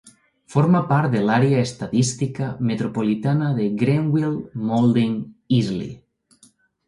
Forma part de l'Àrea Estadística Metropolitana de Greenville-Mauldin-Easley.